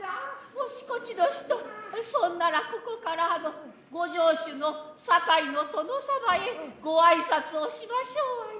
もしこちの人そんならここからあのご城主の酒井の殿様へごあいさつをしましょうわいな。